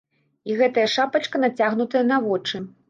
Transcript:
І гэтая шапачка нацягнутая на вочы.